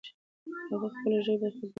هغه د خپلې ژبې خدمت کوي.